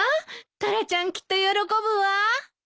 タラちゃんきっと喜ぶわ。